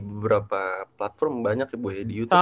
beberapa platform banyak ya gue di youtube